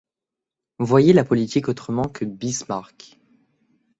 Voyait la politique autrement que Bismarck